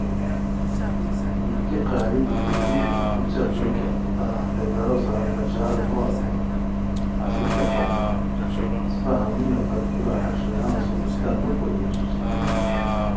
میکی قہری بیتی ایے ژور تو څیق نو کیہ تو تان ہتے برارو سار بشارنو اروا؟ ہسے کیہ قومو؟ اسپہ ہمونیہ پت کورا ہݰ رویان سُم رشتہ نوکوری اسوسی